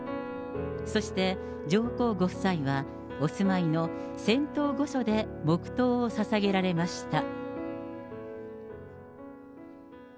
そして、上皇ご夫妻はお住まいの仙洞御所で黙とうをささげられました。